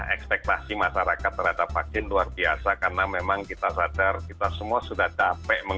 ekspektasi masyarakat terhadap vaksin luar biasa karena memang kita sadar kita semua sudah capek